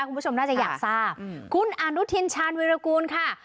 คุณผู้ชมน่าจะอยากทราบคุณอนุทินชาญวิรากูลค่ะ